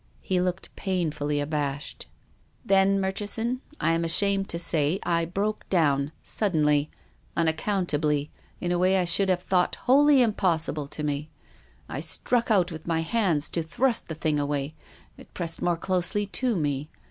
He looked painfully abashed. 328 TONGUES OF CONSCIENCE. " Then, Murchison, I am ashamed to say I broke down, suddenly, unaccountably, in a way I should have thought wholly impossible to me. I struck out with my hands to thrust the thing away. It pressed more closely to me.